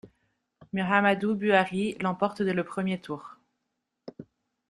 Muhammadu Buhari l'emporte dés le premier tour.